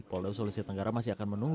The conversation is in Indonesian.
polda sulawesi tenggara masih akan menunggu